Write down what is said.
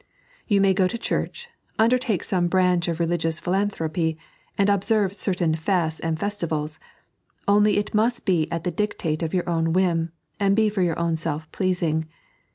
You may go to church, undertake some branch of religious philanthropy, and observe certain fasts and festivals — only it must be at the dictate tA your own whim, and be for your own self pleasing.